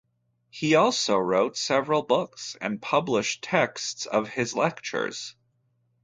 He also wrote several books and published texts of his lectures.